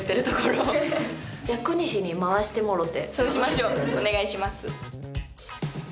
そうしましょうお願いします。